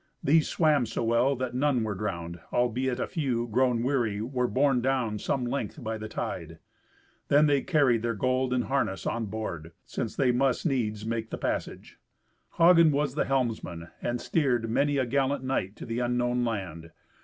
These swam so well that none were drowned, albeit a few, grown weary, were borne down some length by the tide. Then they carried their gold and harness on board, since they must needs make the passage. Hagen was the helmsman, and steered many a gallant knight to the unknown land.